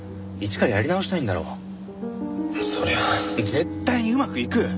絶対にうまくいく！